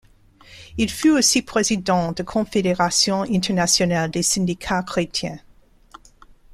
Il fut aussi président de Confédération internationale des syndicats chrétiens.